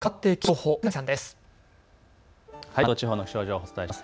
関東地方の気象情報、お伝えします。